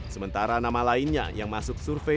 sementara nama lainnya yang masuk survei